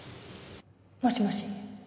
もしもし。